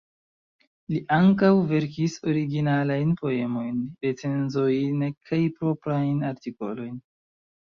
Li ankaŭ verkis originalajn poemojn, recenzojn kaj proprajn artikolojn.